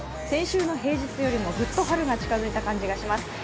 先週の平日よりもグッと春が近づいた感じがします。